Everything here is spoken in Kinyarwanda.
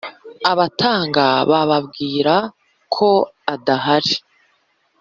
abatanga bababwira ko adahari